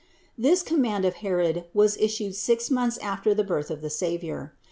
674. This command of Herod was issued six months after the birth of the Savior.